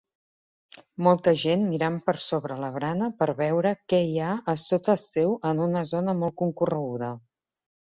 Molta gent mirant per sobre la barana per veure què hi ha a sota seu en una zona molt concorreguda.